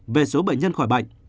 về số bệnh nhân khỏi bệnh